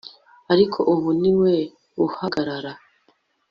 Ariko ubu niwe uhagarara